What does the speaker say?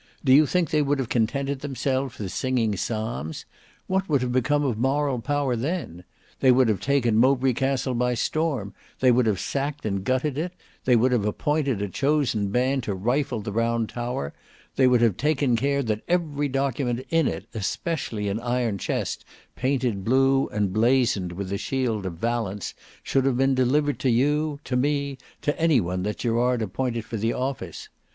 Do you think they would have contented themselves with singing psalms? What would have become of moral power then? They would have taken Mowbray Castle by storm; they would have sacked and gutted it; they would have appointed a chosen band to rifle the round tower; they would have taken care that every document in it, especially an iron chest painted blue and blazoned with the shield of Valence, should have been delivered to you, to me, to any one that Gerard appointed for the office.